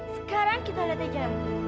sekarang kita lihat aja